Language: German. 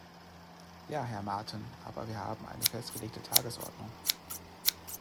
Ja, Herr Maaten, aber wir haben eine festgelegte Tagesordnung.